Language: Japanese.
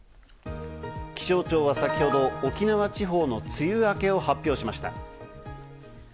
気象庁は先ほど沖縄地方の梅雨明けを発表しました。